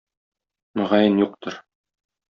Мөгаен, юктыр.